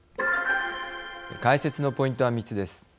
解説のポイントは３つです。